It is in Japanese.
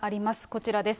こちらです。